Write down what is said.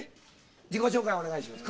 「自己紹介お願いします。